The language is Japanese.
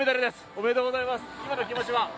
おめでとうございます、今の気持ちは？